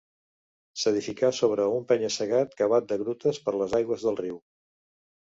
S'edificà sobre un penya-segat cavat de grutes per les aigües del riu.